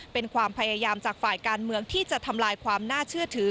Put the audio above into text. เป็นความพยายามจากฝ่ายการเมืองที่จะทำลายความน่าเชื่อถือ